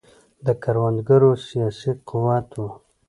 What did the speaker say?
د کروندګرو سیاسي قوت و.